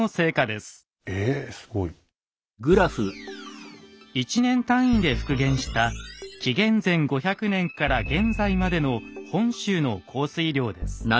すごい！１年単位で復元した紀元前５００年から現在までの本州の降水量です。